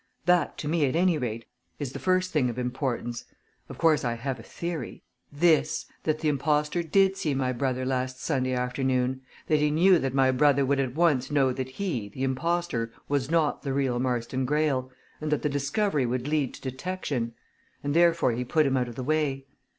That to me at any rate is the first thing of importance. Of course I have a theory. This, that the impostor did see my brother last Sunday afternoon. That he knew that my brother would at once know that he, the impostor, was not the real Marston Greyle, and that the discovery would lead to detection. And therefore he put him out of the way.